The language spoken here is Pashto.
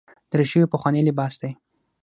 دریشي یو پخوانی لباس دی.